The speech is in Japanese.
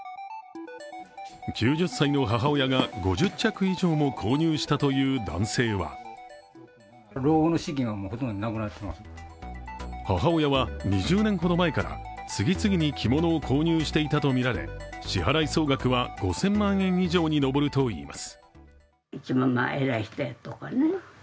９０歳の母親が５０着以上も購入したという男性は母親は２０年ほど前から次々に着物を購入していたとみられ支払総額は５０００万円以上に上るといいます。